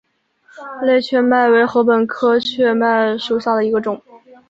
类雀麦为禾本科雀麦属下的一个种。